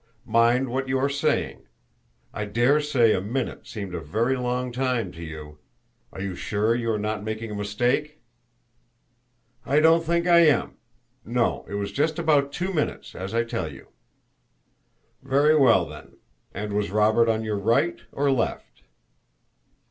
Mind what you are saying; I dare say a minute seemed a very long time to you. Are you sure you are not making a mistake?" "I don't think I am. No; it was just about two minutes, as I tell you." "Very well, then; and was Robert on your right or left?"